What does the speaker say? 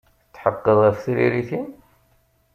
Tetḥeqqeḍ ɣef tririt-im?